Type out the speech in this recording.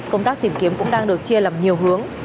công tác tìm kiếm cũng đang được chia làm nhiều hướng